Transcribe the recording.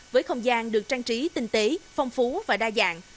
với không gian được trang trí tinh tế phong phú và đa dạng